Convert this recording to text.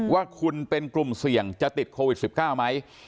ว่าคุณเป็นกลุ่มเสี่ยงจะติดโควิด๑๙ไหม